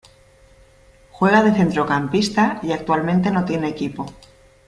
Juega de centrocampista y actualmente no tiene equipo.